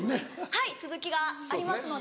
はい続きがありますので。